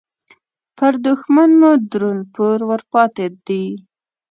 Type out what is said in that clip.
پر دوښمن مو درون پور ورپاتې دې